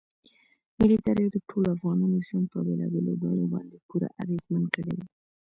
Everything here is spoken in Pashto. ملي تاریخ د ټولو افغانانو ژوند په بېلابېلو بڼو باندې پوره اغېزمن کړی دی.